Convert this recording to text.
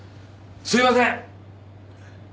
すみません！